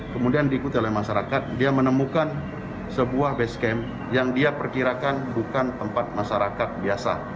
kemudian diikuti oleh masyarakat dia menemukan sebuah base camp yang dia perkirakan bukan tempat masyarakat biasa